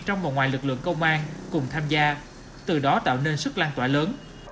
trong và ngoài lực lượng công an cùng tham gia từ đó tạo nên sức lan tỏa lớn